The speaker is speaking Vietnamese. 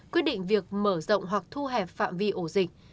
quyết định việc mở rộng hoặc thu hẹp phạm vi ổ dịch